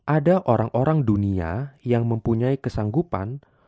ada orang orang dunia yang mempunyai kesanggupan